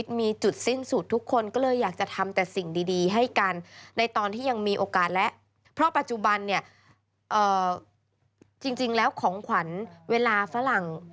แต่ว่าปัจจุบันเนี่ยจริงแล้วของขวัญเวลาฝรั่ง